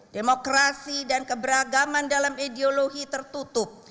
demokrasi dan keberagaman dalam ideologi tertutup